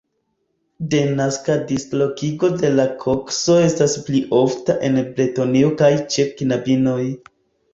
Denaska dislokigo de la kokso estas pli ofta en Bretonio kaj ĉe knabinoj.